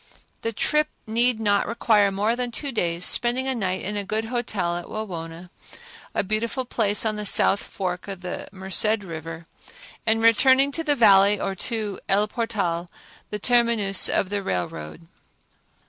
The trip need not require more than two days, spending a night in a good hotel at Wawona, a beautiful place on the south fork of the Merced River, and returning to the Valley or to El Portal, the terminus of the railroad.